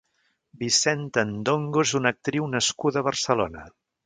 Vicenta N'Dongo és una actriu nascuda a Barcelona.